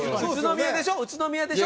宇都宮でしょ？